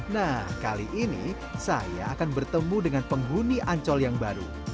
nah kali ini saya akan bertemu dengan penghuni ancol yang baru